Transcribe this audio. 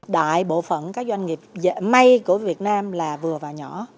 đại bộ phận các doanh nghiệp dệt may của việt nam là vừa và nhỏ